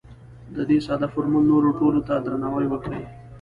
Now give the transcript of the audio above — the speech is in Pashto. د دې ساده فورمول نورو ټولو ته درناوی وکړئ.